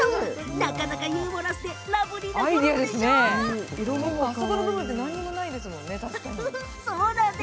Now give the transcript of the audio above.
なかなかユーモラスでラブリーですよね。